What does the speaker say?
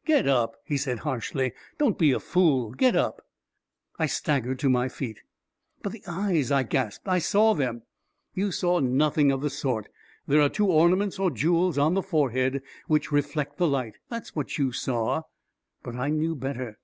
" Get up !" he said, harshly. " Don't be a fool ! Get up !" I staggered to my feet. II But the eyes !" I gasped. " I saw them ..."" You saw nothing of the sort. There are two ornaments or jewels on the forehead which reflect the light — that's what you saw I " But I knew better.